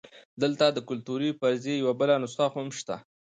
دلته د کلتوري فرضیې یوه بله نسخه هم شته.